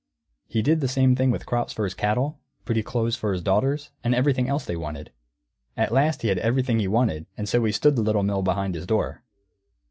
He did the same thing with crops for his cattle, pretty clothes for his daughters, and everything else they wanted. At last he had everything he wanted, and so he stood the Little Mill behind his door.